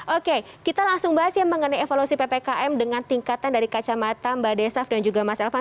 oke kita langsung bahas ya mengenai evolusi ppkm dengan tingkatan dari kacamata mbak desaf dan juga mas elvan